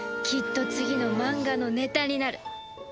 きっと次のマンガのネタになる